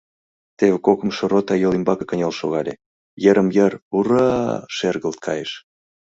Теве кокымшо рота йол ӱмбаке кынел шогале, йырым-йыр «Ура-а!» шергылт кайыш.